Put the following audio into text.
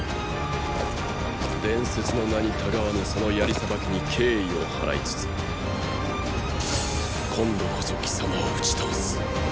伝説の名にたがわぬその槍さばきに敬意を払いつつ今度こそ貴様を打ち倒す。